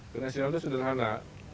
ke nasional itu sederhana